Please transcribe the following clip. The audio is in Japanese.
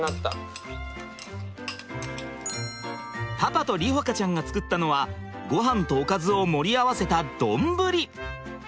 パパと梨穂花ちゃんが作ったのはごはんとおかずを盛り合わせた丼。